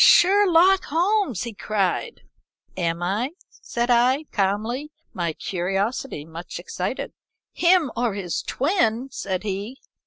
"'Sherlock Holmes!' he cried. "'Am I?' said I, calmly, my curiosity much excited. "'Him or his twin!' said he.